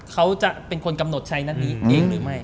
เขาจะเป็นคนกำหนดใช้นัดนี้เองหรือไม่